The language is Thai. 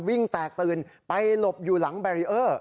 วิ่งแตกตื่นไปหลบอยู่หลังแบรีเออร์